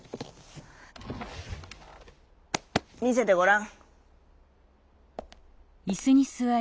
「みせてごらん」。